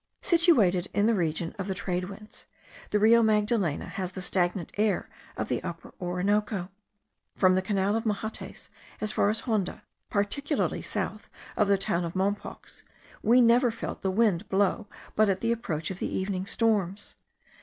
Situated in the region of the trade winds, the Rio Magdalena has the stagnant air of the Upper Orinoco. From the canal of Mahates as far as Honda, particularly south of the town of Mompox, we never felt the wind blow but at the approach of the evening storms.